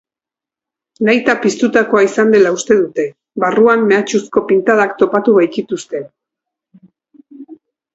Nahita piztutakoa izan dela uste dute, barruan mehatxuzko pintadak topatu baitituzte.